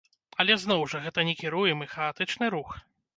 Але зноў жа, гэта некіруемы, хаатычны рух.